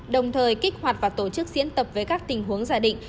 đồng thời kích hoạt và tổ chức diễn tập với các tình huống giả định